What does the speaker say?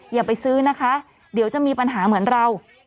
อย่าไปซื้อนะคะเดี๋ยวจะมีปัญหาเหมือนเรา